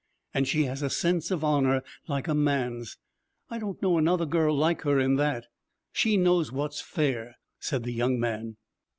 And she has a sense of honor like a man's. I don't know another girl like her in that. She knows what's fair,' said the young man.